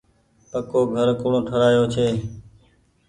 پڪو گھر ڪوڻ ٺرآيو ڇي۔